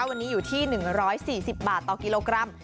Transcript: วันนี้อยู่ที่๑๔๐บาทต่อกิโลกรัม